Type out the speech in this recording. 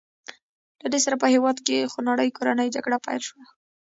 له دې سره په هېواد کې خونړۍ کورنۍ جګړه پیل شوه.